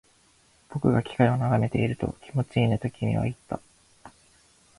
僕が機械を眺めていると、気持ちいいねと君は言った